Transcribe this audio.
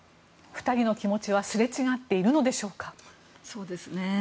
２人の気持ちはすれ違っているのでしょうか。